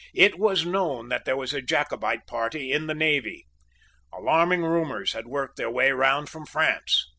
It was known that there was a Jacobite party in the navy. Alarming rumours had worked their way round from France.